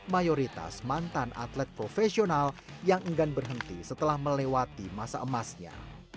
mayoritas mantan atlet profesional yang enggan berhenti setelah melewati masa emasnya